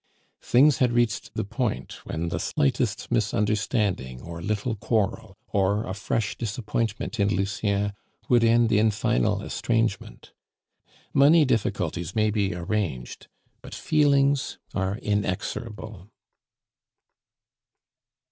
Things had reached the point when the slightest misunderstanding, or little quarrel, or a fresh disappointment in Lucien would end in final estrangement. Money difficulties may be arranged, but feelings are inexorable.